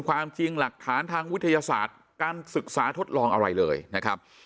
ความจริงหลักฐานทางวิทยาศาสตร์การศึกษาทดลองอะไรเลยนะครับ